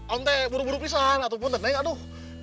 om teh buru buru pisah enggak tupu neng aduh